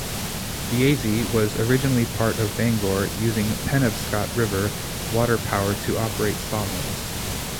Veazie was originally part of Bangor, using Penobscot River water power to operate sawmills.